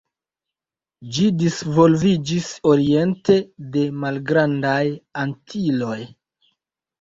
Ĝi disvolviĝis oriente de Malgrandaj Antiloj.